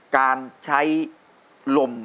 การใช้ลม